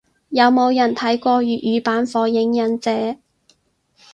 有冇人睇過粵語版火影忍者？